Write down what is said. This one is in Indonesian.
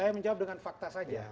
saya menjawab dengan fakta saja